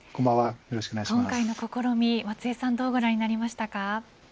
今回の試みは松江さんどうご覧になりましたか。